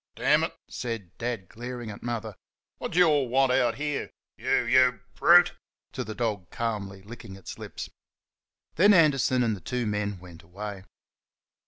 "DAMN IT!" said Dad, glaring at Mother, "wot d' y' ALL want out 'ere?...Y YOU brute!" (to the dog, calmly licking its lips). Then Anderson and the two men went away.